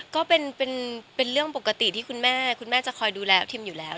ก็เป็นเรื่องปกติที่คุณแม่คุณแม่จะคอยดูแลทิมอยู่แล้ว